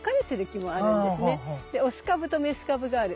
でオス株とメス株がある。